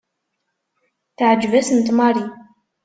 Teɛjeb-asent Mary.